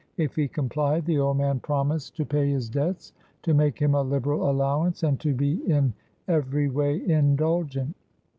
If he complied, the old man promised to pay his debts, to make him a liberal allowance, and to be in every way indulgent.